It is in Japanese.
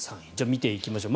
見ていきましょう。